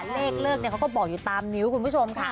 เลขเลิกเขาก็บอกอยู่ตามนิ้วคุณผู้ชมค่ะ